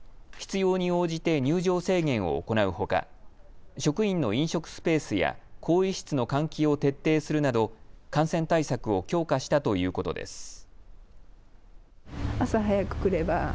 必要に応じて入場制限を行うほか職員の飲食スペースや更衣室の換気を徹底するなど感染対策を強化したということです。